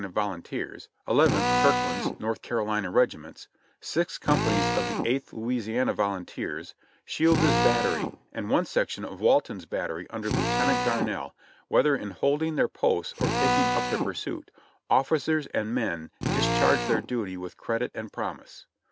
Volunteers, Eleventh (Kirk land's) North Carolina regiments, six companies of the Eighth Louisiana Volunteers, Shields's battery, and one section of Wal ton's battery under Lieutenant Garnelle, whether in holding their posts or taking up the pursuit, officers and men discharged their duty with credit and promise."